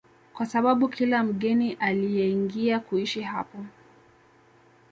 kwa sababu kila mgeni alieingia kuishi hapo